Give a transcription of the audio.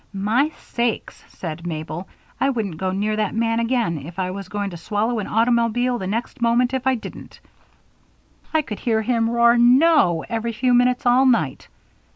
"My sakes!" said Mabel. "I wouldn't go near that man again if I was going to swallow an automobile the next moment if I didn't. I could hear him roar 'No' every few minutes all night.